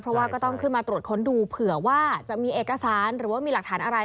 เพราะว่าก็ต้องขึ้นมาตรวจค้นดูเผื่อว่าจะมีเอกสารหรือว่ามีหลักฐานอะไร